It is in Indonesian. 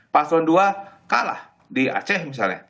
paslon dua kalah di aceh misalnya